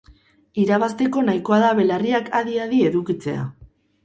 Irabazteko nahikoa da belarriak adi adi edukitzea!